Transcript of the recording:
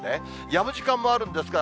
やむ時間もあるんですが、